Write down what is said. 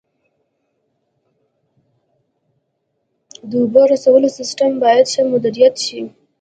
د اوبو رسولو سیستم باید ښه مدیریت شي.